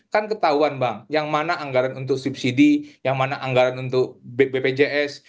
kan ketahuan bang yang mana anggaran untuk subsidi yang mana anggaran untuk bpjs